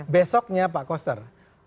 besoknya pak koster